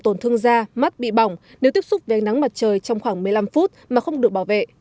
tổn thương da mắt bị bỏng nếu tiếp xúc với ánh nắng mặt trời trong khoảng một mươi năm phút mà không được bảo vệ